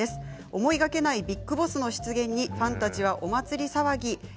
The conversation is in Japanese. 思いがけないビッグボスの出現にファンたちは、お祭り騒ぎです。